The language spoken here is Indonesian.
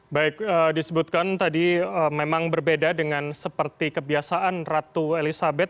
baik disebutkan tadi memang berbeda dengan seperti kebiasaan ratu elizabeth